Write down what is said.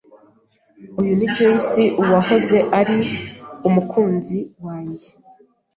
Uyu ni Joyce, uwahoze ari umukunzi wanjye.